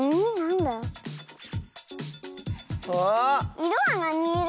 いろはなにいろ？